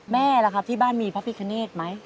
แม่ล่ะครับที่บ้านมีพระพิคเนธไหม